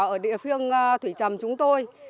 ở địa phương thủy trầm chúng tôi